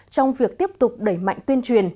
trong việc tiếp tục đẩy mạnh tuyên truyền